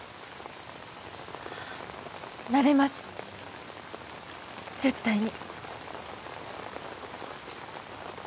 なれます絶対に。